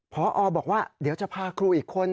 พอบอกว่าเดี๋ยวจะพาครูอีกคน